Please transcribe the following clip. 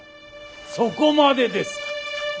そこまでです。